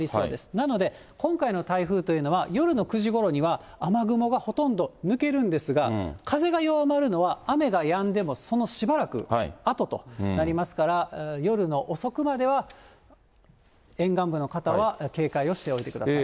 なので、今回の台風というのは夜の９時ごろには雨雲がほとんど抜けるんですが、風が弱まるのは雨がやんでもそのしばらくあととなりますから、夜の遅くまでは、沿岸部の方は警戒をしておいてください。